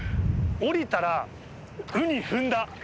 降りたら、ウニ踏んだ。